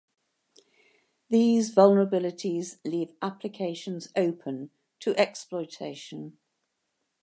These vulnerabilities leave applications open to exploitation.